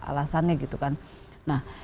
alasannya gitu kan nah